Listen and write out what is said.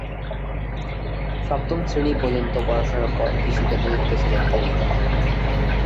সপ্তম শ্রেণী পর্যন্ত পড়াশোনার পর কৃষি কাজে যুক্ত ছিলেন তিনি।